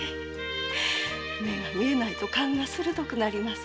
目が見えないと勘が鋭くなります。